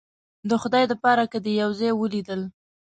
د خدای د پاره که دې یو ځای ولیدل